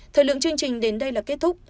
thời lượng chương trình đến đây là kết thúc